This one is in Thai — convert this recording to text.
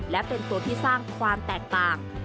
และเป็นตัวที่สร้างความแตกต่าง